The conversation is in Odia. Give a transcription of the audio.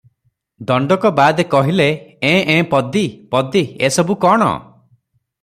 ଦଣ୍ଡକ ବାଦେ କହିଲେ-ଏଁ -ଏଁ -ପଦୀ! ପଦୀ! ଏ ସବୁ କଣ?